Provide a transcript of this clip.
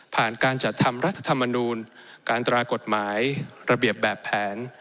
การจัดทำรัฐธรรมนูลการตรากฎหมายระเบียบแบบแผน